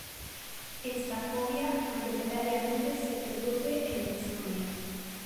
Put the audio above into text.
Esta fobia mayoritariamente se produce en los hombres.